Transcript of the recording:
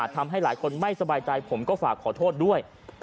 ถ้าคนไม่สบายใจผมก็ฝากขอโทษด้วย